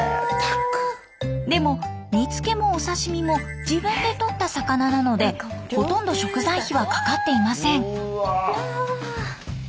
でも煮つけもお刺身も自分でとった魚なのでほとんど食材費はかかっていません。